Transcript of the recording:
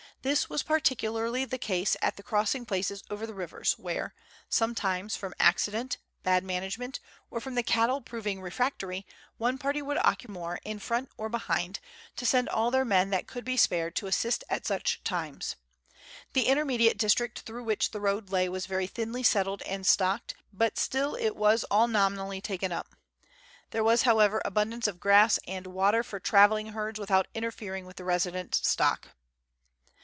This was particularly the case at the crossing places over the rivers, where, sometimes from accident, bad management, or from the cattle proving refrac tory, one party would occupy the ford for two or three days. It was usual for the parties which might be a day's stage, or even more, in front or behind, to send all their men that could be spared to assist at such times. The intermediate district through which the road lay was very thinly settled and stocked, but still it was all nominally taken up. There was, however, abundance of grass and water for travelling herds without interfering with the resident stock.